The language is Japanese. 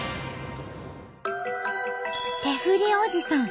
手振りおじさん